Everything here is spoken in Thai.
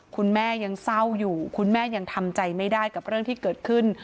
คุณแม่ยังเศร้าอยู่คุณแม่ยังทำใจไม่ได้กับเรื่องที่เกิดขึ้น